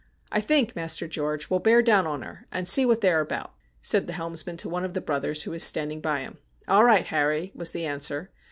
' I think, Master George, we'll bear down on her, and see what they are about,' said the helmsman to one of the brothers who was standing by him. ' All right, Harry,' was the answer.